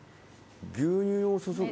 「牛乳を注ぐ」